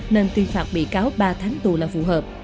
nên tuyên phạt bị cáo ba tháng tù là phù hợp